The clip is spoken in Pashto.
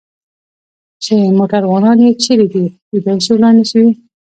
چې موټروانان یې چېرې دي؟ کېدای شي وړاندې وي.